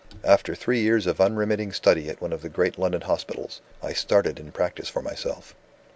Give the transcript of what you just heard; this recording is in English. After three years of unremitting study at one of the great London hospitals, I started in practice for myself.